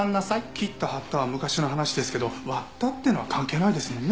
切った張ったは昔の話ですけど割ったっていうのは関係ないですもんね。